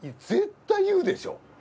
絶対言うでしょう。